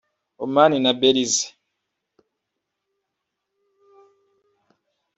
Oman na Belize